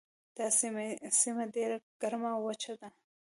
دا سیمه ډیره ګرمه او وچه ده.